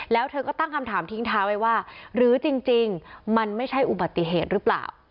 แล้วเธอก็ตั้งคำถามทิ้งท้ายไว้ว่าหรือจริงมันไม่ใช่อุบัติเหตุหรือเปล่า